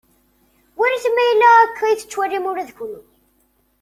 Walit ma yella akka i t-tettwalim ula d kunwi.